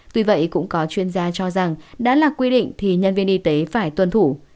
tuy vậy cũng có chuyên gia cho rằng đã là quy định thì nhân viên y tế phải tuân thủ